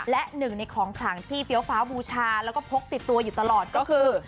และหนึ่งในของขลังที่เฟี้ยวฟ้าบูชาแล้วก็พกติดตัวอยู่ตลอดก็คือ